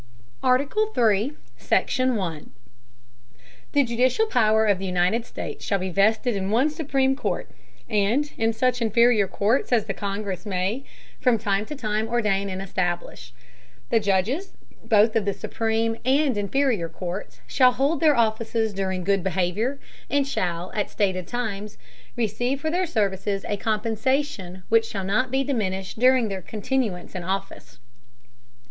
ARTICLE III. SECTION. 1. The judicial Power of the United States, shall be vested in one supreme Court, and in such inferior Courts as the Congress may from time to time ordain and establish. The Judges, both of the supreme and inferior Courts, shall hold their Offices during good Behaviour, and shall, at stated Times, receive for their Services, a Compensation, which shall not be diminished during their continuance in Office.